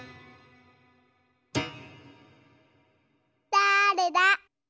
だれだ？